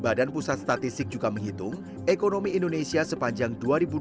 badan pusat statistik juga menghitung ekonomi indonesia sepanjang dua ribu dua puluh tiga